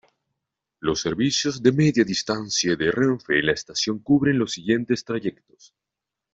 Los servicios de Media Distancia de Renfe en la estación cubren los siguientes trayectos.